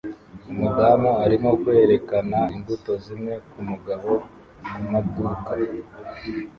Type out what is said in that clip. Umudamu arimo kwerekana imbuto zimwe kumugabo kumaduka